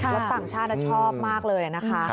และต่างชาติเขาชอบมากเลย